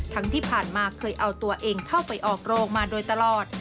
ที่ผ่านมาเคยเอาตัวเองเข้าไปออกโรงมาโดยตลอด